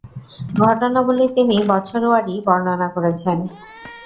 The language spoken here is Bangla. ঘটনাবলী তিনি বছরওয়ারী বর্ণনা করেছেন।